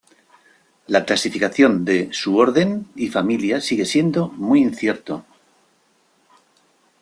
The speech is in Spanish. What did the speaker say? La clasificación de su Orden y familia sigue siendo muy incierto.